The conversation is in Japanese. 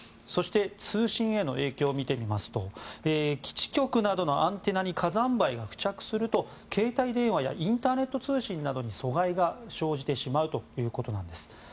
そして通信への影響を見てみますと基地局などのアンテナに火山灰が付着すると携帯電話やインターネット通信などに障害が生じてしまうということです。